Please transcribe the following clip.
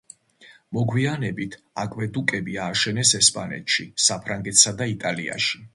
მოგვიანებით აკვედუკები ააშენეს ესპანეთში, საფრანგეთსა და იტალიაში.